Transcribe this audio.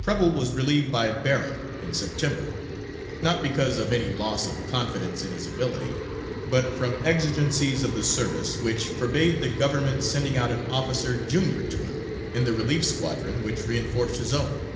Preble was relieved by Barron in September, not because of any loss of confidence in his ability, but from exigencies of the service, which forbade the Government sending out an officer junior to him in the relief squadron which reinforced his own.